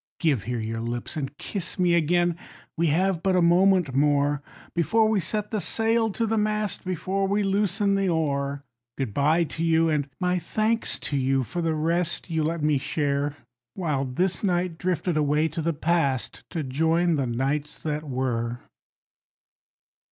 Give here your lips and kiss me again, we have but a moment more, Before we set the sail to the mast, before we loosen the oar. Good bye to you, and my thanks to you, for the rest you let me share, While this night drifted away to the Past, to join the Nights that Were.